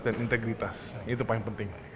dan integritas itu paling penting